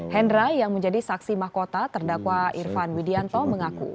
hendra yang menjadi saksi mahkota terdakwa irfan widianto mengaku